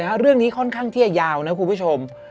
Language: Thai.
ขาดเลยฮะเรื่องนี้ค่อนข้างเที่ยวยาวนะครับคุณผู้ชม